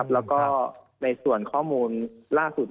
แล้วก็ในส่วนข้อมูลล่าสุด